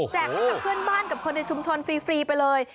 ให้กับเพื่อนบ้านกับคนในชุมชนฟรีไปเลย